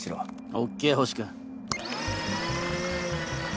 ＯＫ星君。